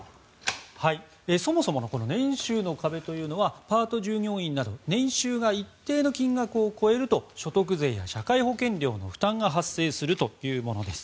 そもそもの年収の壁というのはパート従業員など年収が一定の金額を超えると所得税や社会保険料の負担が発生するというものです。